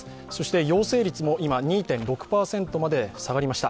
陽性率も今、２．６％まで下がりました。